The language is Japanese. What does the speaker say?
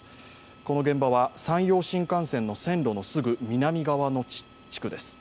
この現場は山陽新幹線の線路のすぐ南側の地区です。